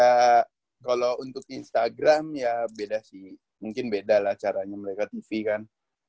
ya kalau untuk instagram ya beda sih mungkin beda lah caranya mereka tv kan